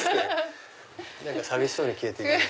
寂しそうに消えていく。